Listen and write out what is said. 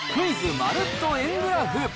まるっと円グラフ。